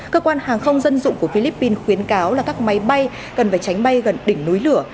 cơ quan hàng không dân dụng của philippines khuyến cáo là các máy bay cần phải tránh bay gần đỉnh núi lửa